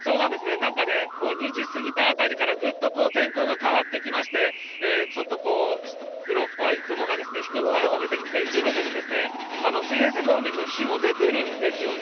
なんかね、２時過ぎたあたりからぐっと天候が変わってきまして、ちょっとこう、黒っぽい雲が低く垂れこめているんですが、一部、水平線のほう見ると、日も出てるんですよね。